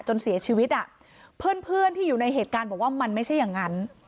จนเสียชีวิตอ่ะเพื่อนเพื่อนที่อยู่ในเหตุการณ์บอกว่ามันไม่ใช่อย่างนั้น